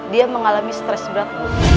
dia mengalami stres berat